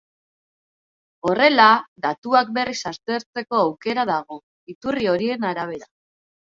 Horrela, datuak berriz aztertzeko aukera dago, iturri horien arabera.